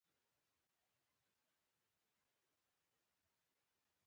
تخنیکونو په دې موده کې پراختیا ومونده.